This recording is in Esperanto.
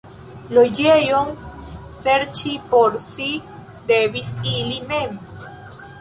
Loĝejon serĉi por si devis ili mem.